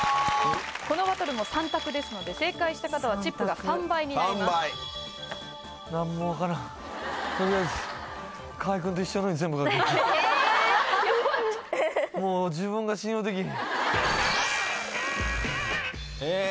このバトルも３択ですので正解した方はチップが３倍になります３倍とりあえずええ